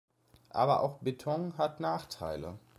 Aber auch Beton hat Nachteile.